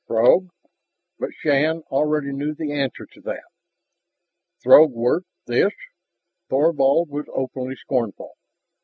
"Throg?" But Shann already knew the answer to that. "Throg work this?" Thorvald was openly scornful.